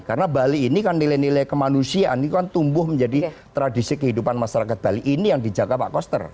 karena nilai nilai kemanusiaan ini kan bisa tumbuh menjadi tradisi kehidupan masyarakat bali ini yang dijaga pak koster